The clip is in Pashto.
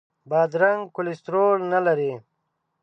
بادرنګ کولیسټرول نه لري.